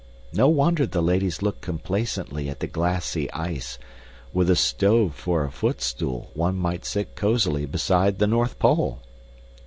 No wonder the ladies look complacently at the glassy ice; with a stove for a foot stool one might sit cozily beside the North Pole.